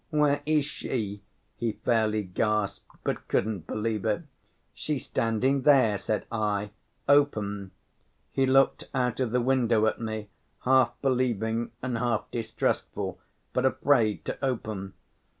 'Where is she?' he fairly gasped, but couldn't believe it. 'She's standing there,' said I. 'Open.' He looked out of the window at me, half believing and half distrustful, but afraid to open.